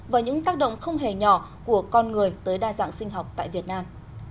và những tác động không hề nhỏ của con người tới đa dạng sinh học tại việt nam